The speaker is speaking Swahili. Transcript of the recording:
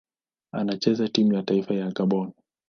Anachezea timu ya taifa ya Gabon.